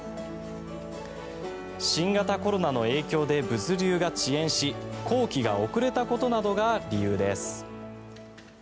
新型コロナの影響で物流が遅延し工期が遅れたことなどが理由です。